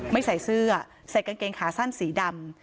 ไม่ใส่เสื้อใส่กางเกงขาสั้นสีดำ